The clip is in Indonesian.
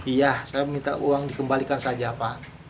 iya saya minta uang dikembalikan saja pak